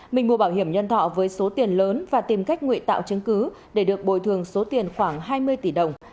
mình mua bảo hiểm nhân thọ với số tiền lớn và tìm cách nguyện tạo chứng cứ để được bồi thường số tiền khoảng hai mươi tỷ đồng